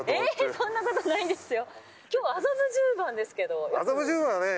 そんなことないですよ。